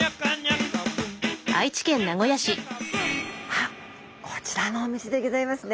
あっこちらのお店でギョざいますね。